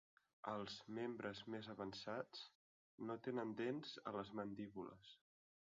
Els membres més avançats no tenen dents a les mandíbules.